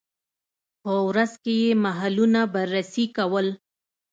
په ورځ کې یې محلونه بررسي کول.